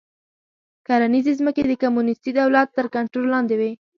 کرنیزې ځمکې د کمونېستي دولت تر کنټرول لاندې وې